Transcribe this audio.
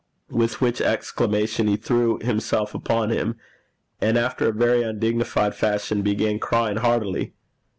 with which exclamation he threw himself upon him, and after a very undignified fashion began crying heartily.